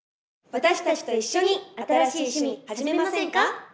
私たちと一緒に新しい趣味はじめませんか？